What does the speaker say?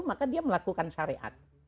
maka dia melakukan syariat